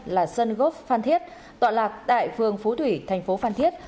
là sơn góp phan thiết tọa lạc tại phương phú thủy thành phố phan thiết